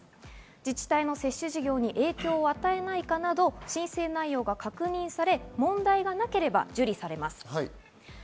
自治体の接種事業に影響を与えないかなど、申請内容が確認され問題がなければ受理されます。